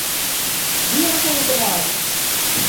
ঘৃণা করি তোমায়!